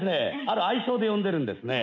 ある愛称で呼んでるんですね。